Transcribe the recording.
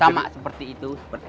sama seperti itu